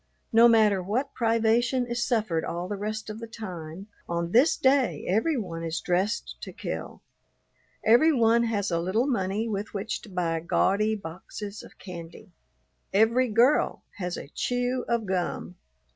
No matter what privation is suffered all the rest of the time, on this day every one is dressed to kill. Every one has a little money with which to buy gaudy boxes of candy; every girl has a chew of gum.